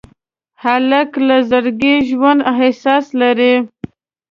هلک له زړګي ژوندي احساس لري.